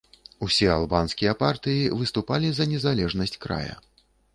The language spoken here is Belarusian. Усе албанскія партыі выступалі за незалежнасць края.